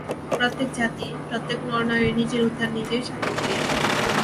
প্রত্যেক জাতি, প্রত্যেক নরনারী নিজের উদ্ধার নিজেই সাধন করিয়া থাকে।